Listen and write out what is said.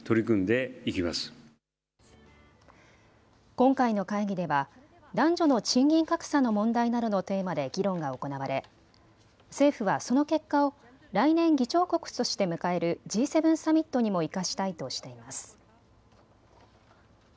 今回の会議では男女の賃金格差の問題などのテーマで議論が行われ政府はその結果を来年、議長国として迎えるＧ７サミットにも生かしたいとしています。